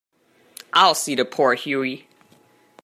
I'll see to poor Hughie.